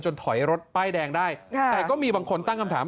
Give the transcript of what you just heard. ถอยรถป้ายแดงได้แต่ก็มีบางคนตั้งคำถาม